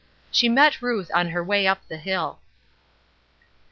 She met Ruth on her way up the hill.